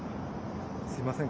すみません。